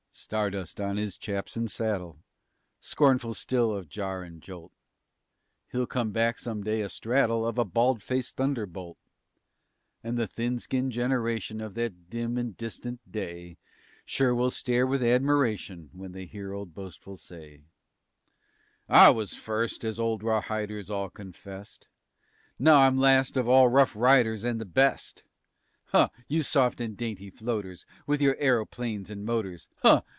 _" Stardust on his chaps and saddle, Scornful still of jar and jolt, He'll come back some day, astraddle Of a bald faced thunderbolt. And the thin skinned generation Of that dim and distant day Sure will stare with admiration When they hear old Boastful say "I was first, as old rawhiders all confessed. Now I'm last of all rough riders, and the best. Huh! you soft and dainty floaters, _With your a'roplanes and motors _ _Huh!